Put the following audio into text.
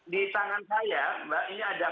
di tangan saya mbak ini ada